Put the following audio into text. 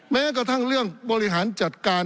แม้กระทั่งเรื่องบริหารจัดการ